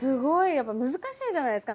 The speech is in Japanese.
やっぱ難しいじゃないですか。